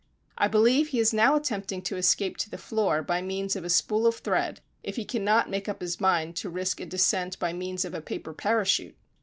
I believe he is now attempting to escape to the floor by means of a spool of thread, if he cannot make up his mind to risk a descent by means of a paper parachute.